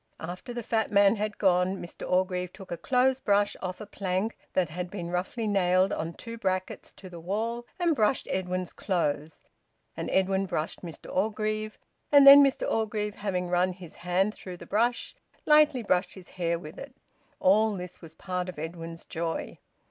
After the fat man had gone Mr Orgreave took a clothes brush off a plank that had been roughly nailed on two brackets to the wall, and brushed Edwin's clothes, and Edwin brushed Mr Orgreave, and then Mr Orgreave, having run his hand through the brush, lightly brushed his hair with it. All this was part of Edwin's joy.